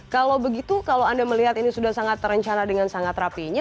kalau begitu kalau anda melihat ini sudah sangat terencana dengan sangat rapinya